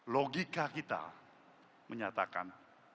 logika kita menyatakan